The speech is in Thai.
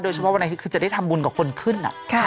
เฉพาะวันอาทิตย์คือจะได้ทำบุญกับคนขึ้น